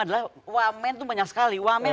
adalah wah men tuh banyak sekali wah men